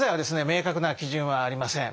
明確な基準はありません。